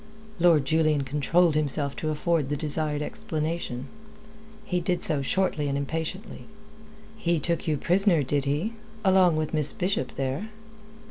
Lord Julian controlled himself to afford the desired explanation. He did so shortly and impatiently. "He took you prisoner, did he along with Miss Bishop there?"